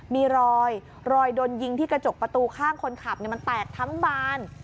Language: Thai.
มีรอยรอยโดนยิงที่กระจกประตูข้างคนขับมันแตกทั้งบาน